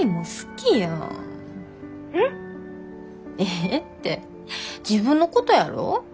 「えっ！」って自分のことやろ。